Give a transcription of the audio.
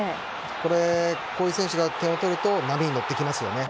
こういう選手が点を取ると波に乗ってきますよね。